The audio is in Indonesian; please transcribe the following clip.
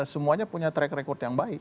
semuanya punya track record yang baik